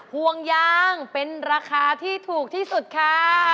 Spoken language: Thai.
ห่วงยางเป็นราคาที่ถูกที่สุดค่ะ